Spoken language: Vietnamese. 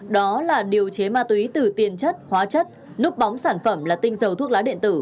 đó là điều chế ma túy từ tiền chất hóa chất núp bóng sản phẩm là tinh dầu thuốc lá điện tử